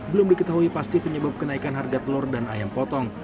belum diketahui pasti penyebab kenaikan harga telur dan ayam potong